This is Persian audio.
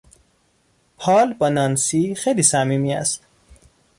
پال با نانسی خیلی صمیمی است.